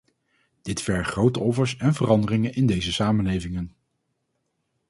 Dit vergt grote offers en veranderingen in deze samenlevingen.